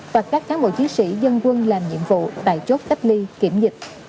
và các cán bộ chiến sĩ dân quân làm nhiệm vụ tại chốt cách ly kiểm dịch